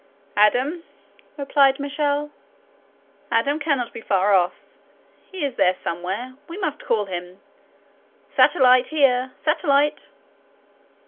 "Adam?" replied Michel; "Adam cannot be far off; he is there somewhere; we must call him. Satellite! here, Satellite!"